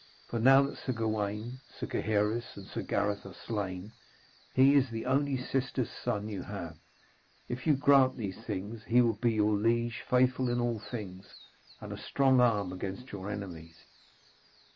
For now that Sir Gawaine, Sir Gaheris and Sir Gareth are slain, he is the only sister's son you have. If ye grant these things he will be your liege, faithful in all things, and a strong arm against your enemies.'